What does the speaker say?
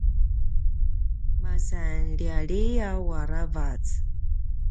masan lialiaw aravac